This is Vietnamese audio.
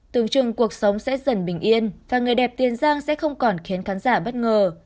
tưởng chừng cuộc sống sẽ dần bình yên và người đẹp tiền giang sẽ không còn khiến khán giả bất ngờ